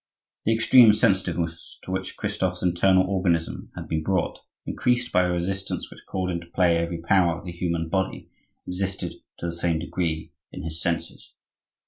The extreme sensitiveness to which Christophe's internal organism had been brought, increased by a resistance which called into play every power of the human body, existed to the same degree, in his senses.